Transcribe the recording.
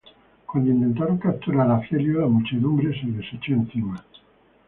Cuando intentaron capturar a Celio, la muchedumbre se les echó encima.